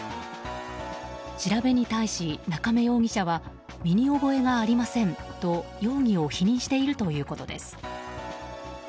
調べに対し、中明容疑者は身に覚えがありませんと容疑を否認しているということです。